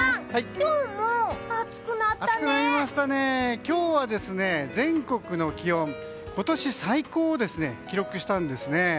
今日は全国の気温今年最高を記録したんですね。